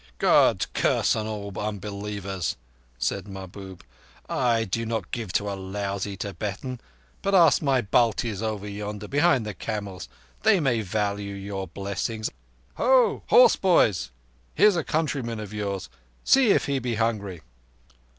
"God's curse on all unbelievers!" said Mahbub. "I do not give to a lousy Tibetan; but ask my Baltis over yonder behind the camels. They may value your blessings. Oh, horseboys, here is a countryman of yours. See if he be hungry."